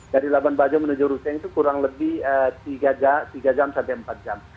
dari labuan bajo menuju rute itu kurang lebih tiga jam sampai empat jam